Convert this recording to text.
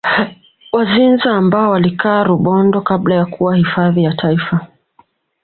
Wazinza ambao walikaa Rubondo kabla ya kuwa hifadhi ya Taifa